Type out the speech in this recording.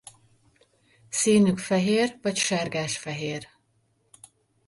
Színük fehér vagy sárgásfehér.